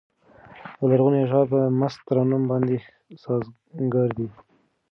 لرغوني اشعار په مست ترنم باندې سازګار دي.